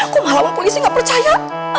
kumahal pun polisi gak percaya